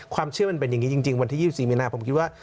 มันเป็นอย่างนี้จริงวันที่๒๔มีนาผมคิดว่า